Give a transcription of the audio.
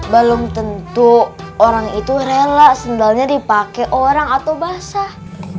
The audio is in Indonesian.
belum tentu orang itu rela sendalnya dipakai orang atau basah